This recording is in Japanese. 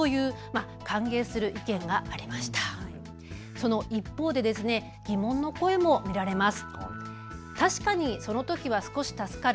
その一方で疑問の声も見られます。